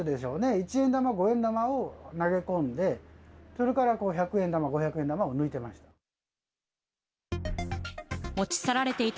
一円玉、五円玉を投げ込んで、それから百円玉、五百円玉を抜いてました。